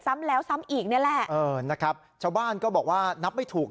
ซ้ำแล้วซ้ำอีกนี่แหละเออนะครับชาวบ้านก็บอกว่านับไม่ถูก